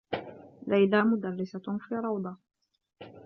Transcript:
ليلى مدرّسة في روضة.